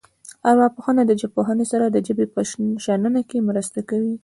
ارواپوهنه له ژبپوهنې سره د ژبې په شننه کې مرسته کوي